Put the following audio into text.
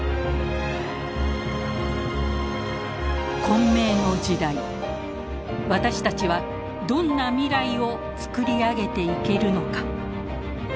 混迷の時代私たちはどんな未来を作り上げていけるのか。